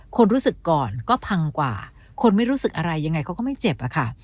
คนรู้สึกก่อนก็พังกว่าคนไม่รู้สึกอะไรยังไงเขาก็ไม่เจ็บอะค่ะ